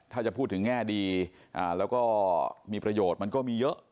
ถ้าจะพูดถึงแง่ดีแล้วก็มีประโยชน์มันก็มีเยอะ